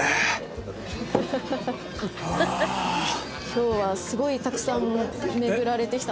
今日はすごいたくさん巡られてきた？